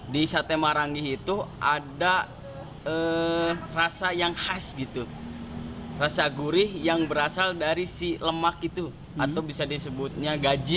di sate marangi itu ada rasa yang khas gitu rasa gurih yang berasal dari si lemak itu atau bisa disebutnya gaji